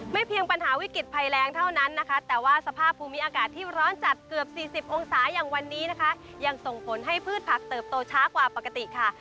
เพียงปัญหาวิกฤตภัยแรงเท่านั้นนะคะแต่ว่าสภาพภูมิอากาศที่ร้อนจัดเกือบ๔๐องศาอย่างวันนี้นะคะยังส่งผลให้พืชผักเติบโตช้ากว่าปกติค่ะ